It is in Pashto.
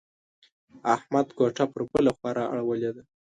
احمد کوټه پر بله خوا را اړولې ده.